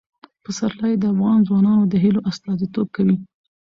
پسرلی د افغان ځوانانو د هیلو استازیتوب کوي.